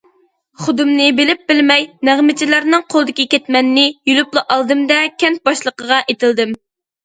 خۇدۇمنى بىلىپ- بىلمەي نەغمىچىلەرنىڭ قولىدىكى كەتمەننى يۇلۇپلا ئالدىم- دە كەنت باشلىقىغا ئېتىلدىم.